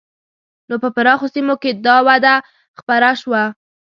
نو په پراخو سیمو کې دا وده خپره شوه.